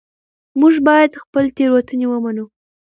موږ باید خپلې تېروتنې ومنو